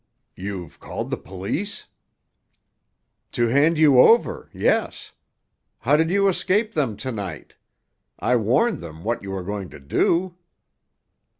"You've called the police?" "To hand you over—yes. How did you escape them to night? I warned them what you were going to do."